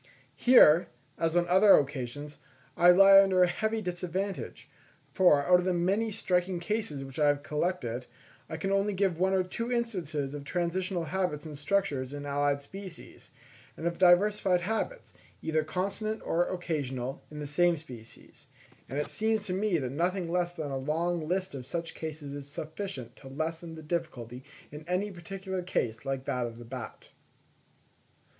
Here, as on other occasions, I lie under a heavy disadvantage, for, out of the many striking cases which I have collected, I can give only one or two instances of transitional habits and structures in allied species; and of diversified habits, either constant or occasional, in the same species. And it seems to me that nothing less than a long list of such cases is sufficient to lessen the difficulty in any particular case like that of the bat.